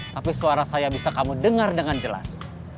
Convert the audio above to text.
tapi suara saya bisa kamu dengar dengan jelas